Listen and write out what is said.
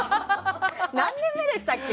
何年目でしたっけ？